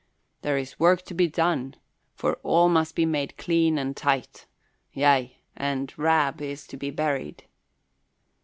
There is work to be done, for all must be made clean and tight yea, and Rab is to be buried."